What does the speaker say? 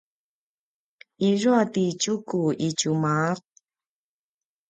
izua ti Tjuku i tjumaq?